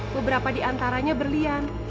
beberapa di antaranya berlian